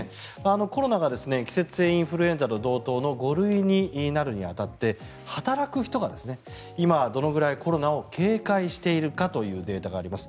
コロナが季節性インフルエンザと同等の５類になるに当たって働く人が今、どのぐらいコロナを警戒しているかというデータがあります。